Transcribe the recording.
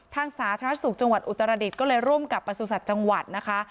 สาธารณสุขจังหวัดอุตรดิษฐ์ก็เลยร่วมกับประสุทธิ์จังหวัดนะคะ